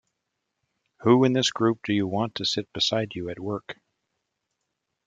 Who in this group do you want to sit beside you at work?